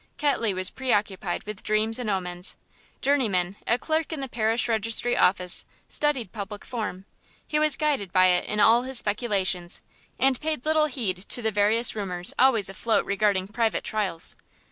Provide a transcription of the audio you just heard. Ketley was preoccupied with dreams and omens; Journeyman, a clerk in the parish registry office, studied public form; he was guided by it in all his speculations, and paid little heed to the various rumours always afloat regarding private trials.